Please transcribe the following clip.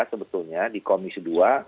sebetulnya di komisi dua